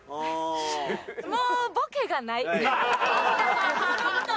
もうボケがない。